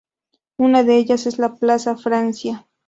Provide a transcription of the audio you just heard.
Una de ellas es la Plaza Francia.